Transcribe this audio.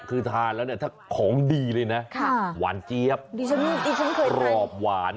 คือทานแล้วเนี่ยถ้าของดีเลยนะหวานเจี๊ยบรอบหวาน